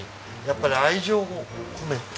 やっぱり愛情を込める。